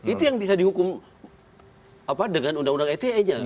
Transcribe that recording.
itu yang bisa dihukum dengan undang undang ite nya